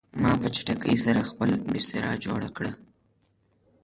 ما په چټکۍ سره خپل بستر جوړ کړ